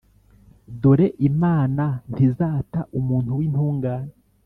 “dore imana ntizata umuntu w’intungane,